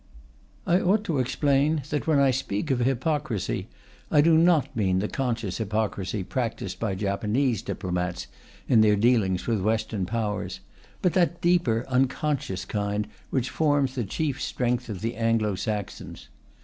I ought to explain that when I speak of hypocrisy I do not mean the conscious hypocrisy practised by Japanese diplomats in their dealings with Western Powers, but that deeper, unconscious kind which forms the chief strength of the Anglo Saxons.